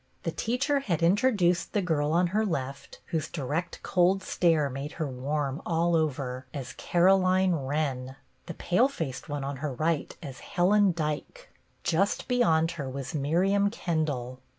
The teacher had introduced the girl on her left, whose direct cold stare made her warm all over, as Caroline Wren ; the pale faced one on her right as Helen D)'ke ; just UNEXPECTED WELCOME 57 beyond her was Miriam Kendall.